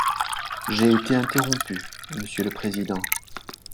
J’ai été interrompu, monsieur le président.